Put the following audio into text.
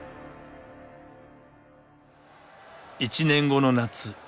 １年後の夏